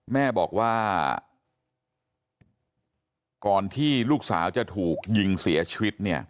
แม่บอกว่าก่อนที่ลูกสาวจะถูกยิงเสียชีวิตเนี่ย